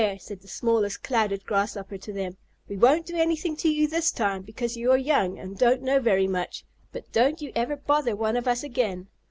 said the smallest Clouded Grasshopper to them, "we won't do anything to you this time, because you are young and don't know very much, but don't you ever bother one of us again.